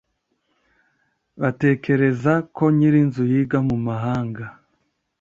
batekereza ko nyir'inzu yiga mu mahanga